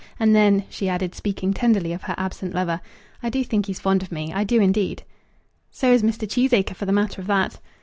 And then," she added, speaking tenderly of her absent lover, "I do think he's fond of me, I do, indeed." "So is Mr. Cheesacre for the matter of that."